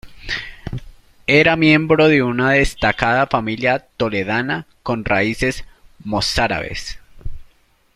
Era miembro de una destacada familia toledana con raíces mozárabes.